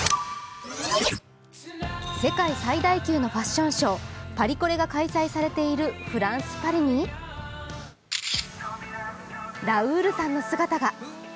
世界最大級のファッションショー、パリコレが開催されているフランス・パリにラウールさんの姿が。